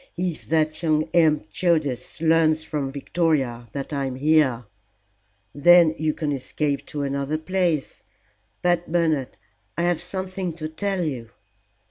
"If that young imp Judas learns from Victoria that I am here " "Then you can escape to another place. But, Bernard, I have something to tell you."